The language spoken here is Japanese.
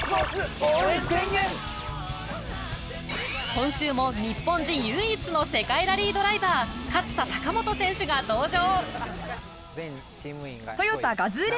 今週も日本人唯一の世界ラリードライバー勝田貴元選手が登場。